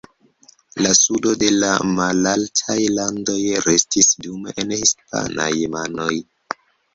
La sudo de la Malaltaj Landoj restis dume en hispanaj manoj.